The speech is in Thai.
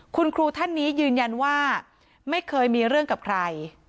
คุณครูท่านนี้ยืนยันว่าไม่เคยมีเรื่องกับใคร